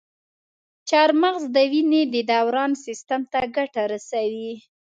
چارمغز د وینې د دوران سیستم ته ګټه رسوي.